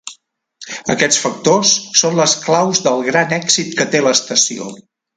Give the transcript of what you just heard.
Aquests factors són les claus del gran èxit que té l'estació.